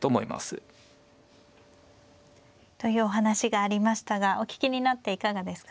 というお話がありましたがお聞きになっていかがですか。